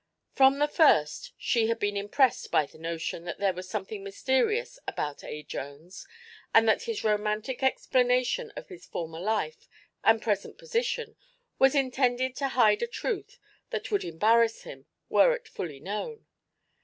From the first she had been impressed by the notion that there was something mysterious about A. Jones and that his romantic explanation of his former life and present position was intended to hide a truth that would embarrass him, were it fully known.